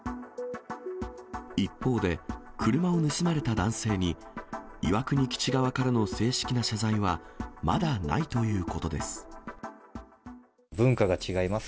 一方で、車を盗まれた男性に、岩国基地側からの正式な謝罪はまだないということです。